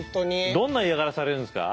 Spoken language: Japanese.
どんな嫌がらせされるんですか？